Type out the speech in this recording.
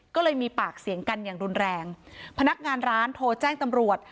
ก็เลยมีปากเสียงกันอย่างรุนแรงพนักงานร้านโทรแจ้งตำรวจ